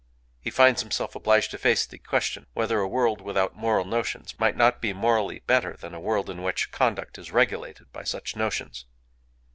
He finds himself obliged to face the question whether a world without moral notions might not be morally better than a world in which conduct is regulated by such notions.